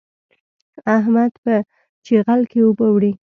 احمد په چيغل کې اوبه وړي.